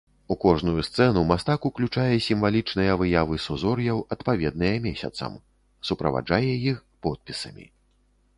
У кожную сцэну мастак уключае сімвалічныя выявы сузор'яў, адпаведныя месяцам, суправаджае іх подпісамі.